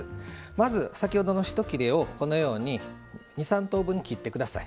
まず先ほどの一切れをこのように２３等分に切ってください。